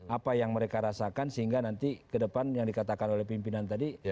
apa yang mereka rasakan sehingga nanti ke depan yang dikatakan oleh pimpinan tadi